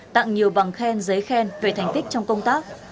tặng nhiều bằng khen giấy khen về thành tích trong công tác